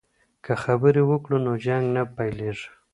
که خبرې وکړو نو جنګ نه پیلیږي.